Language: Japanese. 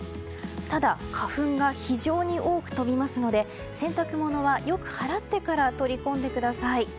ただ、花粉が非常に多く飛びますので洗濯物は、よく払ってから取り込んでください。